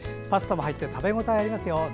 パスタも入って食べ応えがありますよ。